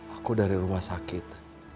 aku dari rumah sakit